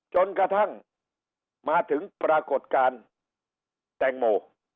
จนกระทั่งมาถึงปรากฏการณ์แตงโม